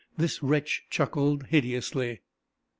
this wretch chuckled hideously.